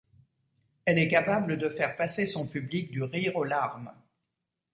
Elle est capable de faire passer son public du rire aux larmes.